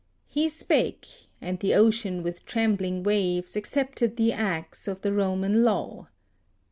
He spake, and the Ocean with trembling waves Accepted the axe of the Roman law.